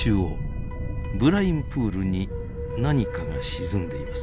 ブラインプールに何かが沈んでいます。